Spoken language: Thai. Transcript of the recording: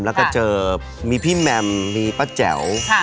แล้วก็เจอมีพี่แมมมีป้าแจ๋ว